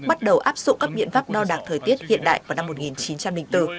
bắt đầu áp dụng các biện pháp đo đạc thời tiết hiện đại vào năm một nghìn chín trăm linh bốn